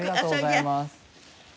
ありがとうございます。